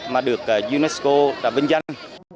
mà được unesco đã vinh danh